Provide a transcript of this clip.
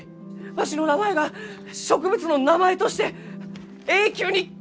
わしの名前が植物の名前として永久に刻まれるがじゃ！